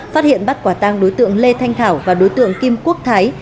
phát hiện bắt quả tang đối tượng lê thanh thảo và đối tượng kim quốc thái